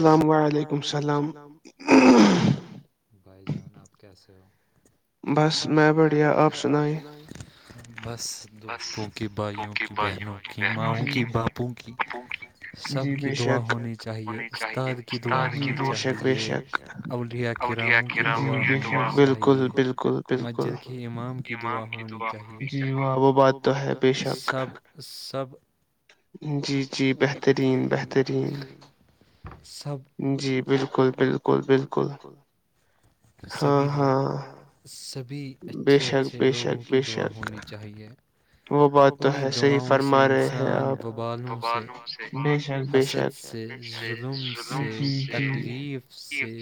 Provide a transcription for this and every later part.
السلم و ععلیکم السلام بھائی جان آپ [inaudible] بس میں بڑھیا آپ سنائی [inaudible] بس دوستوں کی بھائیوں کی بہنوں کی ماؤں کی باپوں کی سب کی دعا ہونی چاہیے استاد کی دعا ہونی چاہیے اولیا کر راہوں کی دعا ہونی چاہیے مسجد کیی امام کی دعا ہونی چاہیے بات تو ہے سب سب جی جی بہترین بہترین سب جی بالکل بالکل بالکل سبھی ہاں سب بھی اچھے اچھے لوگوں کی دعا ہونی چاہیے وہ بات تو ہے صحیح فرما رہے ہیں آپ سے بے شک بے شک سے تکلیف سے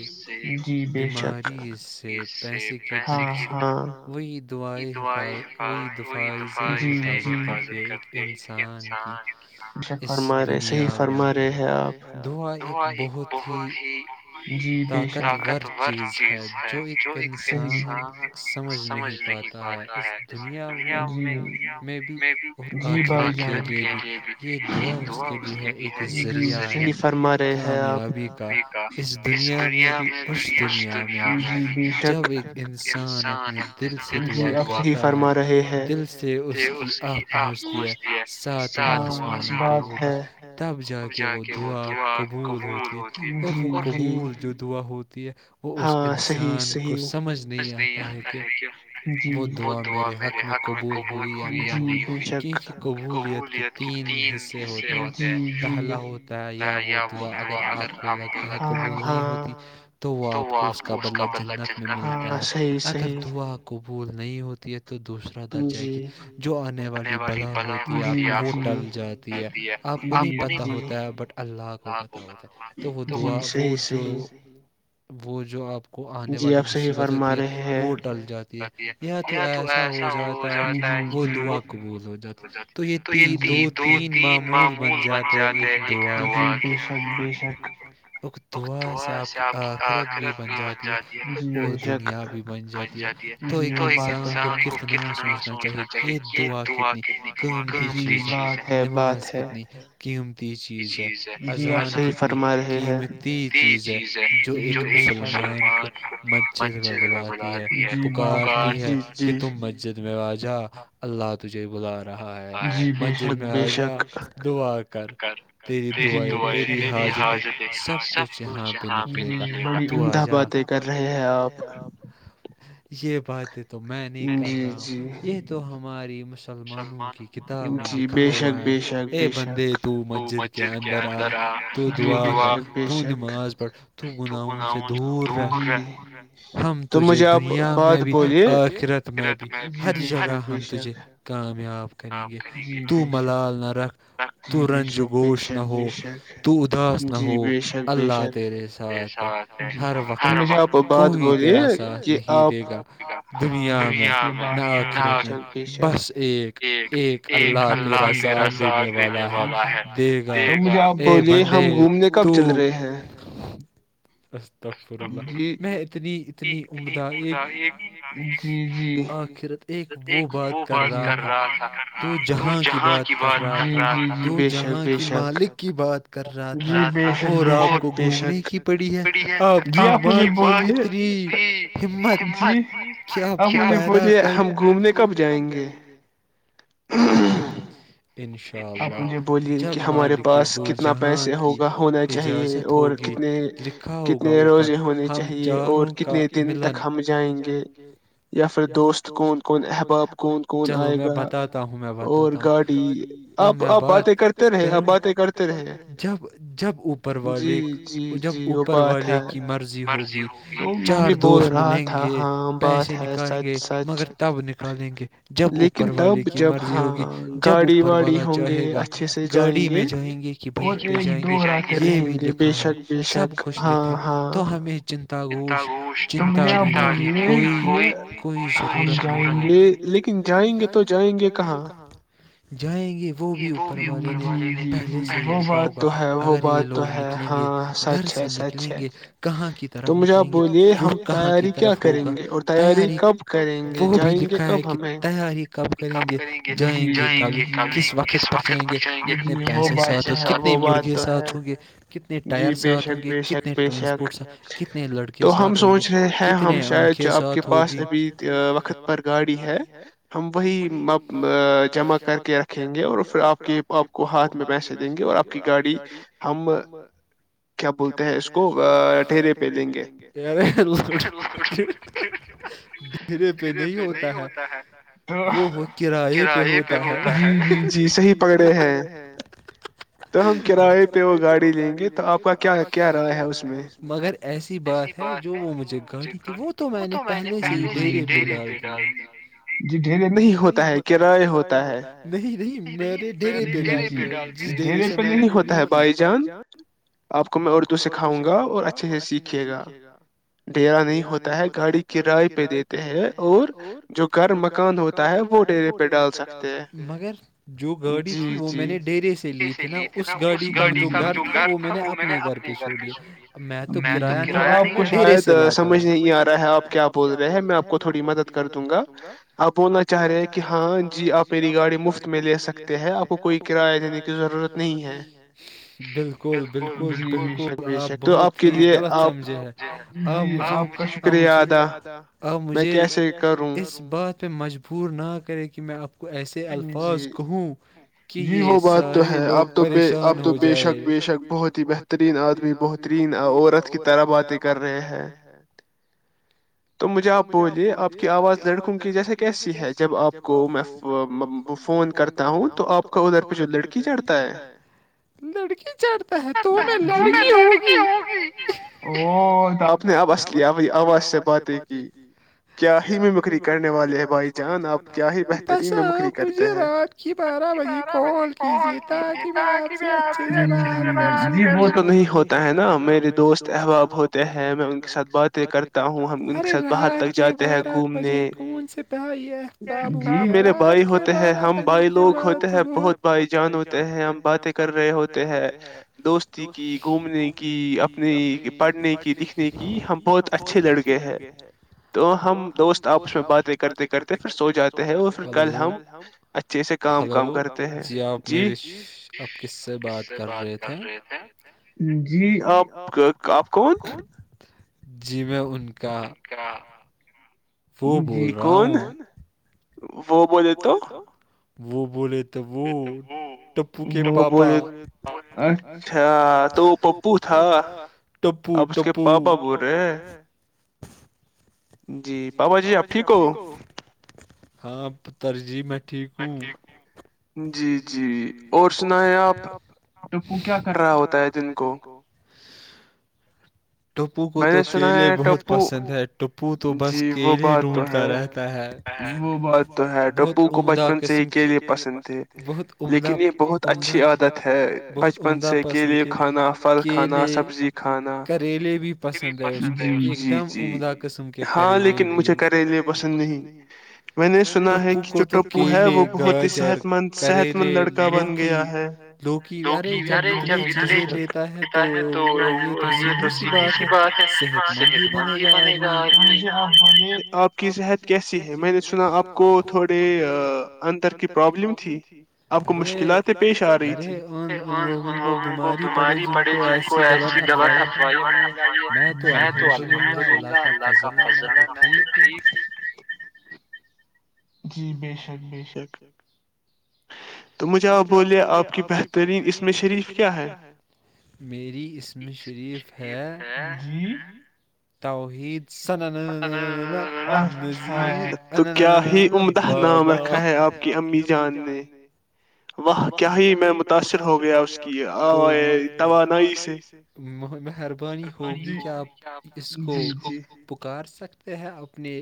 بیماری سے پیسے کی تنی سے وہی دعائیں حفاظ وہی دفاع ہاں جی حفظت کرتےان کی اچھا فرما رہے صحیح فرما رہے ہیں آپ دھوا ایک بہت ہی طاقتورور چیز ہے جو ایک انسان سمجھ نہیں پاتا ہے اس دنیا میں جی ب جرت کے لیے بھی دا اس کے بھیے کامیابی کا اس دنیا میں بھی اس دنیا میں بھی جب ایک انسان اپنے دل سے دعا کرتا ہے دل سے اس کی آ پہنچتی ہے ساتوں آسمانوں کے اوپر تب جا کے وہ دعا قبول ہوتی ہے اور وہ قبول جو دعا ہوتی ہے وہ اس انسان کو سمجھ نہیں آتا ہے کہ وہ دعا میرے حق میں قبول ہوئی یا نہیں ہوئی کیونکہ قبولیت کے تین حصے ہوتے ہیں پہلا ہوتا ہے یا وہ دعا اگر آپ کو لگتا ہے قبول نہیں ہوتی تو آپ کو اس کا بدلا جنت میں ملتا ہے اگر دعا کو بھول نہیں ہوتی ہے تو دوسرا درجہ ہے کہ جو آنے والی بدا ہوتی ہے آپ کو وہ ٹل جاتی ہے آپ کو نہیں پت ہوتا ہے بٹ اللہ کا وہ بتا ہوتا ہے تو وہ دا وہ جو وہ جو آپ کو آنے والی مصیبت ہوتی ہے وہ ٹل جاتی ہے یا تو ایسا ہو جاتا ہے کہ وہ دعا قبول ہو جاتی ہے تو یہ ت دو تین معمول بن جاتے ہیں ایک دعا کے اک دعا سے آپ کی آخرت بھی بن جائے اور دنیا بھیی بن جاتی ہے تو ایک انسان کو کتنا سوچنا چاہیے یہ دعا کتنی قیمتی چیز ہے نماز کتنی قیم ت چیز ہے اذان کتنی قیمتی چیز ہے جو ایک مسلمان کو مسجد میں بلاتی ہے پکارتی ہے کہ تم مسجد میں میں واجہ اللہ ت ج بلا رہا ہے مسجد میں آ جا دعا کر تری دع تیری حاظتیں سب کچھ یہاں پہ نکلے گا تو آ باتیں کر رہے آپ یہ [unintelligible] تو میں نہیں کر رہا ہوں یہ تو ہماری م سلمانوں کی کتاب میں لکھا ہوا ہے اے بندے تو مسجد کے کے اندر آ تو دعا کر ت نماز پڑھ تو گناہوں سے دور رہ ہم تجے دنیا میں بھی آخرت میں بھی ہر جگہ ہم تجھے کام یاپ کریں گے تو ملال نرخ تو رنج گوشت نہ ہو تو اداس نہ ہو اللہ تیرے ساتھ ہے ہر وقت کوئی تیرا ساتھ نہیں دے گا دنیا میں نہ آخرت میں بس ایک ایک ایک اللہ تیرا ساتھ دینے والا ہے دیکھ [unintelligible] [unintelligible] تکفر اللہ میں اتنی اتنی عمدہ ایک آخرت ایک وہ بات کر رہا تھا دو جہاں کی بات کر رہا تھا دو جہاں کی مالک کی بات کر رہا تھا اور آپ کو گھومنے کی پڑی ہے آپ کو کی ماں کی اتنی ہمت کہ آپ کو پیدا کر ہم گھومنے کب جائیں گے [unintelligible] انشاء اللہ مالک دو جہاں کی اجازت ہوگی لکھا ہوگا اوپر ہم چاروں کا ملن جائیں گے چلو میں بتاتا ہوں میں بتاتا ہوں [unintelligible] یں جب جب اوپر والے جب اوپر والے کی مرضی ہوگی چار دوست ملیں گے پیسے نکالیں گے مگر تب نکالیں گے جب اوپر والے کی مرضی ہوگی جب اوپر والے بھی ہوں گے اچھے سے گاڑی میں جائیں گے کہ بائک پہ جائیں گے یہ بھی لکھا ہے سب کچھ لکھا ہے تو ہمیں چنتا گوش چنتا لینے کی کوئی کوئی ضرورت نہیں ہے لیکن جائیں گے تو جائیں گے کہاں [unintelligible] والے نے پہلے سے ہی لکھا ہوگا اگر یہ لوگ نکلیں گے گھر سے نکلیں گے کہاں کی طرف نکلیں گے رخ کہاں کی طرف ہوگا تیاری وہ بھی لکھا ہے کہ تیاری کب کریں گے جائیں گے کب کس وقت پر کتنے پیسے ساتھ ہوں کتنے مرغے ساتھ ہوں گے کتنے ٹائر ساتھ ہوں گے کتنے ٹرانسپورٹ کتنے لڑکے ساتھ ہوں گے کتنے آنکھے ساتھ ہوگیب وقت پر گاڑی ہے ہم وہی کر کے رکھیں گے اور پھر آپ کے کہ آپ کو ہاتھ میں پیسے دیں گے اور آپ کی گاڑی ہم کیا بولتے ہیں اس کو ڈھیرے پہ لیں گے ڈھیرے پہ نہیں ہوتا ہے وہ ہو کراائے پہ ہو ج جی صحی پکڑے پکڑے ہیں ہم کرائے پہ وہ گاڑی لیں گے تو آپ کا کیا رائے مگر ایسی بات ہے جو وہ مجھے گاڑی تھی وہ تو میں نے پہلے سے ہی ڈرے پہ ڈال دی ہے ج ڈے نہیں ہوتا ہے کر ہوتا ہے نہیں نہیں مے ڈرے پہ ڈال کے جس ڈے سے میںد ہوتا ہے بھائی جان آپ کو میں اردو سکھاؤں گا اور اچھے سے سیکھیے گا ڈرا نہیں ہوتا ہے گاڑی کرائے پہ دیتے ہیں اور جو گھر مکان ہوتا ہے وہ ڈرے پہ ڈال سکتے مگر جو گاڑی تھی وہ میں نے ڈھیریے سے لی تھی لیے تھے نا اس گاڑی کا جو گھر تھا وہ میں نے اپنے گھر پہ چھو دیا آپ کو شاید سمجھ نہیں آ رہا ہے آپ کیا بول رہے ہیں میں آپ کو تھوڑی مدد کر دوں گا آپ بولنا چاہ رہے کہ ہاں جی آپ میری گاڑی مفت میں لے سکتے ہیں ہیں آپ کوئی کرایہ کی ضرورت نہیں ہے بالکل بالکل بالکل آپ بہت ہی غلط سمجھے ہیں آپ مجھے آپ مجھے آپ مجھے اس بات پہ مجبور نہ کرے کہ میں اپ کو ایسے الفاظ کہوں جی وہ بات تو ہے آپ تو بے آپ تو بے شک بے شک بہت ہی بہترین آدمی بہترین عورت کی طرح باتیں کر رہے ہیں تو مجھے آپ بولیے آپ کی آواز لڑکوں کی جیہ کیسی ہے جب آپ کو میں فون کرتا ہوں تو آپ تو آپ کا ادھر پہ جو لڑکی چڑھتا ہے لڑکی چڑھتا ہے تو میں لڑکی ہوگی آپ نے آاز کیا آواز سے باتیں کی کیا ہی میں مکری کرنے والے ہیں بھائی جان آپ کیا ہی بسا گجرات کی بار بارہ بجے کال کیجیے تاکہ میں آپ سے اچھے سے بات کر سکوں وہ تو نہیں ہوتا ہے نا میرے دوست احباب ہوتے ہیں میں ان کے ساتھ باتیں کرتا ہوں ارے رات کے بارہ بجے کون سے د یہ بابو ت رات کو بار لوگ ہوتے ہیں بہت بھائی جان ہوتے ہیں ہم باتیں کر رہے ہوتے ہیں دوستی کی گھومنے کی اپنی پڑھنے کی لکھنے کی ہم بہت اچھے لڑکے ہیں تو ہم دوست آپس میں باتیں کرتے پھر سو جاتے ہیں اور پھر کل ہم اچھے سے ہلو جی آپ مہرش آپ کس سے بات کر رہے تھے جی آپپ کون جی میں ان ان کا ان کا جی کون وہ بولے تو وہ بولے تو وہ ٹپو کے پاپا اچھا تو پپو تھا پو ٹپوپا بول رہے جی پپا جی آپ ٹھیک ہو ہاں ترجیح میں ٹھیک جی جی اور سنا آپ کیا کر رہا ہوتا ہے جن کو ٹپو کو تو کیلے بہت پسند ہے ٹوپو تو بس کیلے ڈھونڈتا رہتا ہے وہ ب ٹبو کوپ قمے بہت عمدہ عمدہ اچھی عادت ہے بہت عمدہ پسند کےھانا کیلے سبی کریلے بھی پسند ہے اس کو ایک دم عمدہ قسم کے کریلے مجھے کرلے پسند نہیں کو تو و ہے وہ بہت ہی صحت مند صحت مند لڑکا بن گیا ہےتا تو یہ تو سھی سی بات ہے صحت مند ہی بنے گا آپ کی صحت کیسی ہے میں نے سنا آپ کو تھوڑے اندر کی پرابلم تھی آپ کو مشکلات پیش آ رہی تھی ان لوگوں کو بیماری پڑے جن کو ایسی تو المدلہ اللہ کایک ہ جی بے شک بے شک تو مجھے آپ بولے آپ کی بہترین اسم شریف کیا ہے میری اسم شریف ہے توحید [unintelligible] ا ہے آپ کی امی جان نے وہ کیا ہی میں متاثر ہو گیا اس کی تو توانائی سے مہربانی ہوگی کہ آپ اس کو کر سکتے ہیں اپنی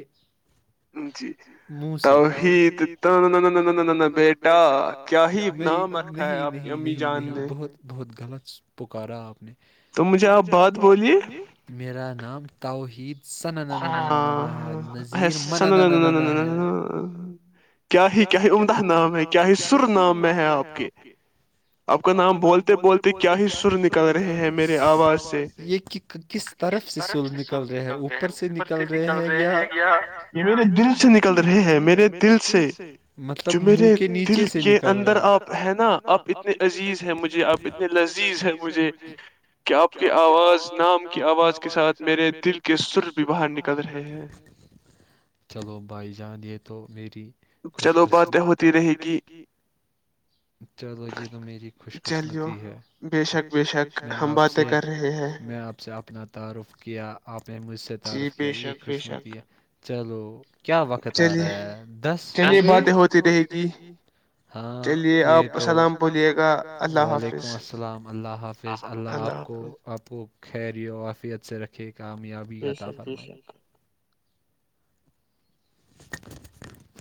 منہ سے ہیتا ن بیٹا کیا نہیں نہیں نہیں نہیں بہت بہت غلط پکاراپ نے تو مجھے آپ بات بولیے میرا نام تو گیت ہاں سان ن ن ن ن نو کیا ہی کیا ہی عمدہ نام ہے کیا ہی سر نام میں ہے آپ کے آپ کا نام بولتے بولتے کیا ہی سر نکل رہے ہیں میرے آواز سے یہ کس طرف سے سر نکل رہے ہے ا اوپر سے نکل رہے ہیں یا یہ میرے دل سے نکل رہے ہیں میرے میرے دل سے مطلب منہ کے نیچے سے نکل رہے اندر آپ ہے نا آپ اتنے عزیز ہے مجھے آپ اتنے لذیذ ہے مجھے کہ آپ کے آواز نام کی آواز کے ساتھ میرے دل سر بھی باہر نکل رہے چلو بھائی جان یہ تو میری خوش قسم بات ہوتی رہے گی چلو یہ تو میری خوش قسمتی ہے ب شک آپ سے میں آپ سے اتنا تعارف کیا آپ میں مجھ سے تعارف کیا یہ خوشمت یہ چلو کیا وقت آ رہا ہے دس ہوگئے بات ہوتی رہے گی ہاں یہ تو سلام بلیے گا وعلیکم السلام اللہ حافظ اللہ آپ کو آپ کو وافیت سے رکھے کامیابی کا تھا فرمائی [inaudible]